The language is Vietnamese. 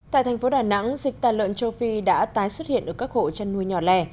tại thành phố đà nẵng dịch tàn lợn châu phi đã tái xuất hiện ở các hộ chăn nuôi nhỏ lẻ